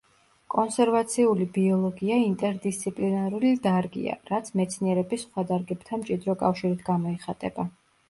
კონსერვაციული ბიოლოგია ინტერდისციპლინარული დარგია, რაც მეცნიერების სხვა დარგებთან მჭიდრო კავშირით გამოიხატება.